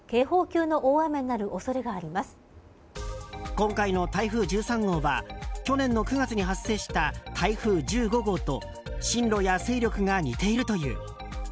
今回の台風１３号は去年の９月に発生した台風１５号と進路や勢力が似ているという。